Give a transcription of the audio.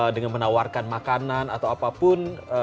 dengan menawarkan makanan atau apapun